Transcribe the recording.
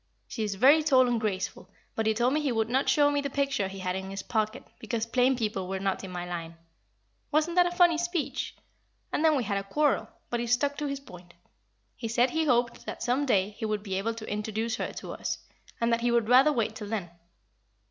She is very tall and graceful, but he told me he would not show me the picture he had in his pocket, because plain people were not in my line. Wasn't that a funny speech? And then we had a quarrel; but he stuck to his point. He said he hoped that some day he would be able to introduce her to us, and that he would rather wait till then.